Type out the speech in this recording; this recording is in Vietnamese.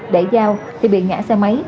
để giao thì bị ngã xe máy